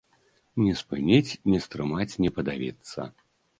Не спыніць, не стрымаць, не падавіцца.